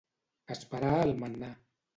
Esperar el mannà.